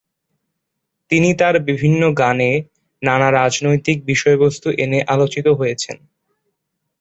তিনি তার বিভিন্ন গানে নানা রাজনৈতিক বিষয়বস্তু এনে আলোচিত হয়েছেন।